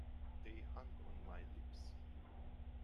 They hung on my lips.